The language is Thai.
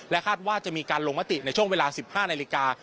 คาดว่าจะมีการลงมติในช่วงเวลา๑๕นาฬิกา